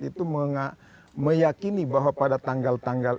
itu meyakini bahwa pada tanggal tanggal